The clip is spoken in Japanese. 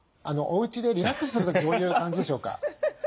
おうちでリラックスする時どういう感じでしょうか？